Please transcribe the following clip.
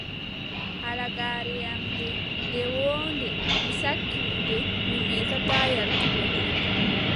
Halagaare am ndee, nde wooɗnde, mi sakkina nde, mi meetataa yaaltugo nde.